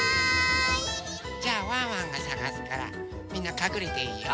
じゃあワンワンがさがすからみんなかくれていいよ。